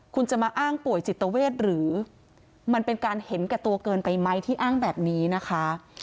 คุณจะมาอ้างป่วยจิตเวทหรือมันเป็นการเห็นแก่ตัวเกินไปไหมที่อ้างแบบนี้นะคะ